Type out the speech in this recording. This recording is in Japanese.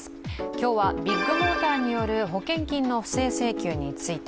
今日はビッグモーターによる保険金の不正請求について。